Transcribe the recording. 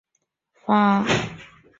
发现了与月海不同的化学成分。